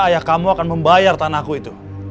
ayah kamu akan membayar tanahku itu